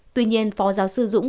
tuy nhiên phỏ giáo sư dũng